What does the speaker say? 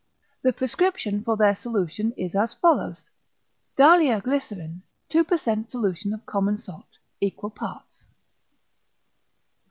The prescription for their solution is as follows: Dahlia glycerin, 2% solution of common salt ... equal parts.